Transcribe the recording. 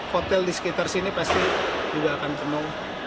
hotel di sekitar sini pasti juga akan penuh